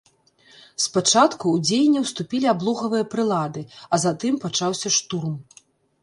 Спачатку ў дзеянне ўступілі аблогавыя прылады, а затым пачаўся штурм.